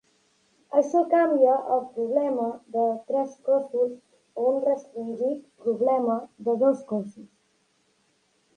Això canvia el problema de tres cossos a un restringit problema de dos cossos.